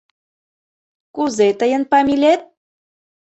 Кузе тыйын памилет?...